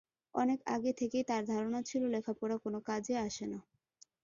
অনেক আগে থেকেই তার ধারণা ছিল লেখাপড়া কোনো কাজে আসে না।